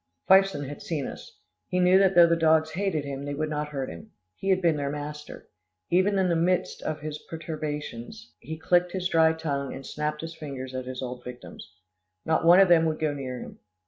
Fifeson had seen us. He knew that though the dogs hated him, they would not hurt him. He had been their master. Even in the midst of his perturbation, he clicked his dry tongue, and snapped his fingers at his old victims. Not one of them would go near him.